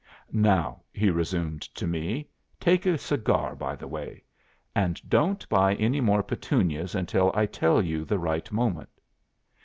Now,' he resumed to me, 'take a cigar by the way. And don't buy any more Petunias until I tell you the right moment.